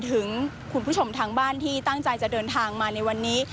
ถึงคุณผู้ชมทางบ้านที่ตั้งใจจะเดินทางมาในวันนี้